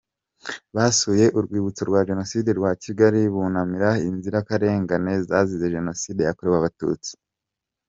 Basuye urwibutso rwa Jenoside rwa Kigali bunamira inzirakarengane zazize Jenoside yakorewe abatutsi.